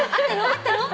あったの？